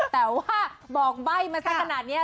แต่ว่าบอกใบ้มาสักขนาดนี้